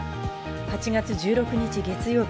８月１６日、月曜日。